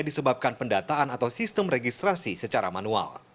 disebabkan pendataan atau sistem registrasi secara manual